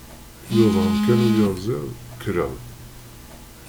Yudan kan uyaziḍ, kkreɣ-d.